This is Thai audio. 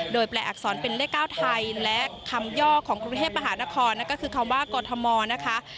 โดยแปลอักษรเป็นเลข๙ไทยและคำย่อของกรุงเทพมหานครนั่นก็คือคำว่ากรทมนะคะ